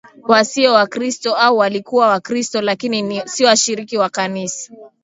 wasio Wakristo au walikuwa Wakristo lakini si washiriki wa Kanisa